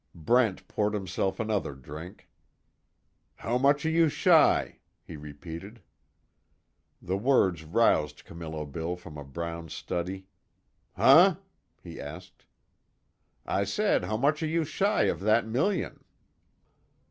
Brent poured himself another drink: "How much are you shy?" he repeated. The words roused Camillo Bill from a brown study: "Huh?" he asked. "I said, how much are you shy of that million?"